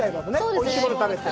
おいしいもの食べて。